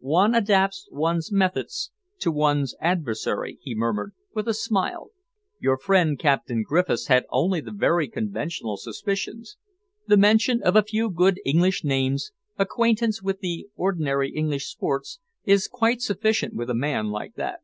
"One adapts one's methods to one's adversary," he murmured, with a smile, "Your friend Captain Griffiths had only the very conventional suspicions. The mention of a few good English names, acquaintance with the ordinary English sports, is quite sufficient with a man like that."